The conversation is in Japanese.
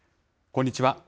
こんにちは。